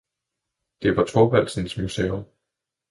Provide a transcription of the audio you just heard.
Det var Thorvaldsens Museum.